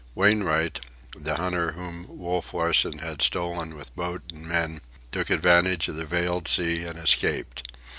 Wainwright—the hunter whom Wolf Larsen had stolen with boat and men—took advantage of the veiled sea and escaped.